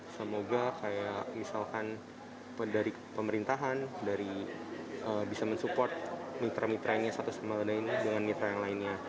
semoga kayak misalkan dari pemerintahan dari bisa mensupport mitra mitranya satu sama lainnya dengan mitra yang lainnya